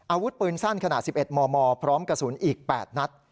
อาวุธปืนสั้นขนาดสิบเอ็ดมอมอพร้อมกระสุนอีกแปดนัด